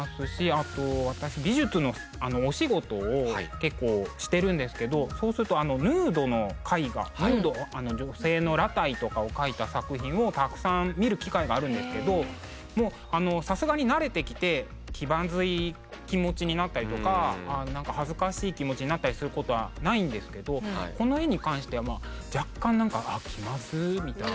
あと私美術のお仕事を結構してるんですけどそうするとあのヌードの絵画ヌード女性の裸体とかを描いた作品をたくさん見る機会があるんですけどもうあのさすがに慣れてきて気まずい気持ちになったりとか恥ずかしい気持ちになったりすることはないんですけどこの絵に関しては若干なんかあっ気まずみたいな。